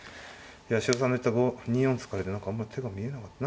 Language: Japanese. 八代さんの言った２四突かれて何かあんまり手が見えなかった。